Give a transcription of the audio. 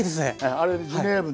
あれジュネーブのね